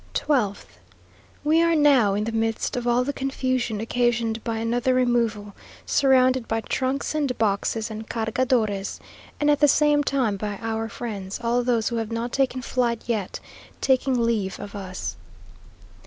12th. We are now in the midst of all the confusion occasioned by another removal; surrounded by trunks and boxes and cargadores, and at the same time by our friends (all those who have not taken flight yet) taking leave of us....